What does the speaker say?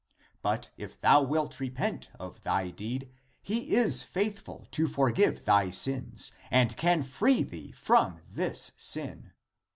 But if thou wilt repent of thy deed, he is faithful to forgive thy sins and can free thee from this sin.